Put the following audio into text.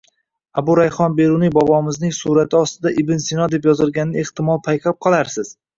Abu Rayhon Beruniy bobomizning surati ostiga Ibn Sino deb yozilganini ehtimol payqab qolarsiz.